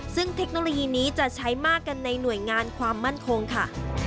ซึ่งเทคโนโลยีนี้จะใช้มากกันในหน่วยงานความมั่นคงค่ะ